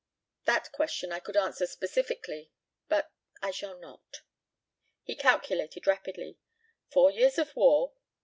"That question I could answer specifically, but I shall not." He calculated rapidly. "Four years of war.